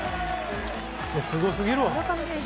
すごすぎるわ！